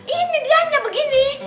ini dia ya begini